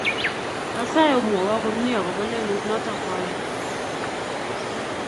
Asae omwawoo komnyei agoba lelut noto kwayai